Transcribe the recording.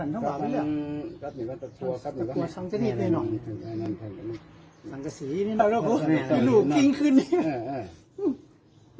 ทางบ่าไปแล้ว